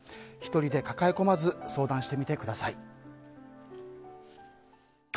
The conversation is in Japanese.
１人で抱え込まず相談してみてください。